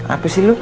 apa sih lo